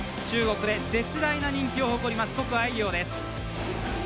中国で絶大な人気を誇ります谷愛凌です。